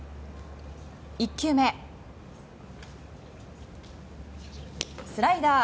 １球目、スライダー。